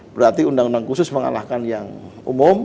berarti undang undang khusus mengalahkan yang umum